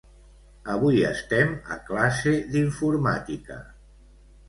Avui estem a classe d'informàtica.